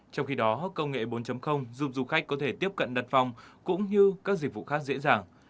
trong khi đó công nghệ bốn giúp du khách có thể tiếp cận đặt phòng cũng như các dịch vụ khác dễ dàng